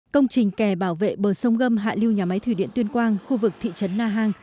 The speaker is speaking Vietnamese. công trình kè bảo vệ bờ sông gâm hạ lưu nhà máy thủy điện tuyên quang khu vực thị trấn na hàng